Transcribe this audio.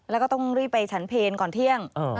แล้วก็ต้องรีบไปฉันเพลก่อนเที่ยง